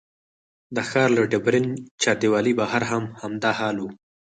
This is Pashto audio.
د ښار له ډبرین چاردیوالۍ بهر هم همدا حال و.